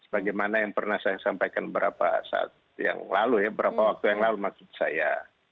bagaimana yang pernah saya sampaikan beberapa saat yang lalu ya beberapa waktu yang lalu maksud saya